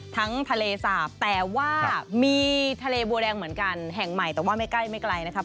ทั้งทะเลสาบแต่ว่ามีทะเลบัวแดงเหมือนกันแห่งใหม่แต่ว่าไม่ใกล้ไม่ไกลนะครับ